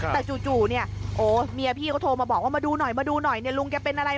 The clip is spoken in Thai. แต่จู่เนี่ยโอ้เมียพี่เขาโทรมาบอกว่ามาดูหน่อยมาดูหน่อยเนี่ยลุงแกเป็นอะไร